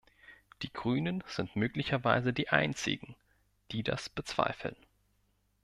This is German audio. Die Grünen sind möglicherweise die Einzigen, die das bezweifeln.